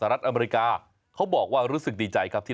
ตามแนวทางศาสตร์พระราชาของในหลวงราชการที่๙